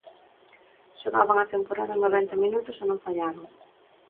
Xogaban a temporada en noventa minutos e non fallaron.